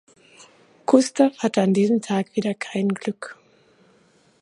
Gustav hatte an diesem Tag wieder kein Glück.